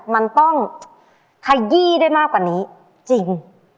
มันต้องขยี้ได้มากกว่านี้จริง